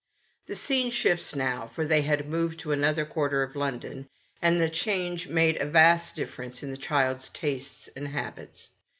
The scene shifts now, for they had moved to another quarter of London, and the change made a vast difference in the child's tastes and habits.